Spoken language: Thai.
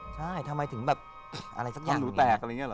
ใช่ทำไมถึงแบบอะไรสักอย่าง